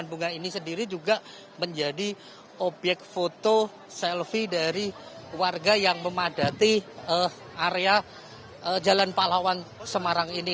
dan bunga ini sendiri juga menjadi obyek foto selfie dari warga yang memadati area jalan palawan semarang ini